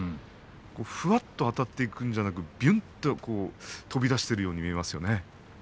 ふわっとあたっていくんではなくて、びゅんと飛び出しているように見えますね。